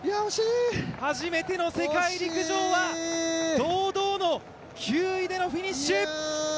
初めての世界陸上は堂々の９位でのフィニッシュ。